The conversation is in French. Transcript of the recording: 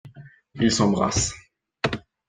Ils s'embrassent.